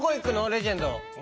レジェンド。